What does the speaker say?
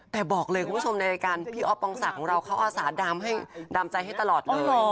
แต่บอกเลยคุณผู้ชมในรายการพี่ออฟปองศาของเราเขาออศาดามใจให้ตลอดเลย